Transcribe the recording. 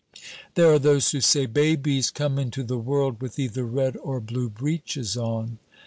'" "There are those who say, 'Babies come into the world with either red or blue breeches on!'"